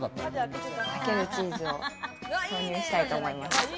さけるチーズを投入したいと思います。